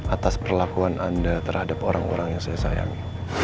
atas perlakuan anda terhadap orang orang yang saya sayangi